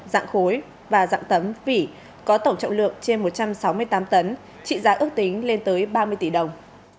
dạng khối và dạng tấm vỉ có tổng trọng lượng trên một trăm sáu mươi tám tấn trị giá ước tính lên tới ba mươi tỷ đồng